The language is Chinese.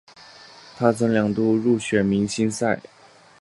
他曾两度入选明星赛。